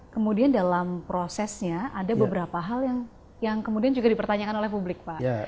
kemudian dalam prosesnya ada beberapa hal yang kemudian juga dipertanyakan oleh publik pak